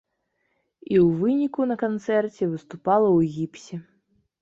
І ў выніку на канцэрце выступала ў гіпсе.